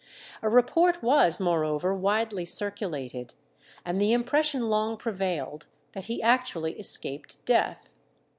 A report was, moreover, widely circulated, and the impression long prevailed, that he actually escaped death.